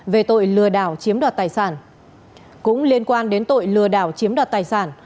về tội lừa đảo chiếm đoạt tài sản cũng liên quan đến tội lừa đảo chiếm đoạt tài sản